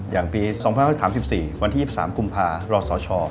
อย่างปี๒๐๓๔วันที่๒๓กุมภารสช